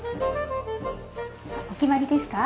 お決まりですか？